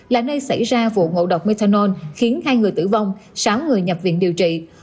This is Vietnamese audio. là nơi xảy ra vụ ngộ độc methanol khiến hai người tử vong sáu người nhập viện điều trị